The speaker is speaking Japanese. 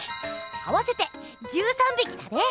合わせて１３びきだね！